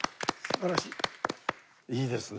いいですね。